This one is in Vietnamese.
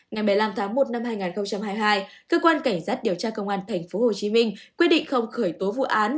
ngày một mươi năm tháng một năm hai nghìn hai mươi hai cơ quan cảnh sát điều tra công an tp hcm quyết định không khởi tố vụ án